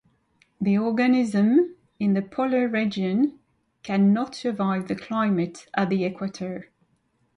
The organisms in the polar region can not survive the climate at the equator.